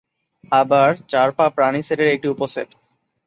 আবার "চার পা", "প্রাণী" সেটের একটি উপসেট।